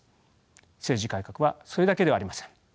政治改革はそれだけではありません。